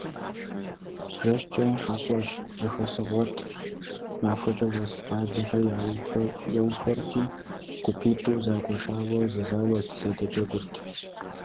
ЖэщкӀэ хьэщӀэщ зэхуэсыгъуэт, махуэкӀэ уэс къалэхэр яухуэрти, гупитӀу загуэшауэ зэзауэрт, зэдэджэгурт.